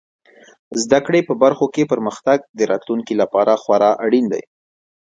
زده کړې په برخو کې پرمختګ د راتلونکي لپاره خورا اړین دی.